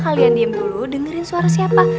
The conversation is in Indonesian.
kalian diem dulu dengerin suara siapa